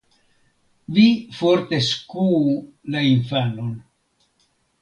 Vi forte skuu la infanon.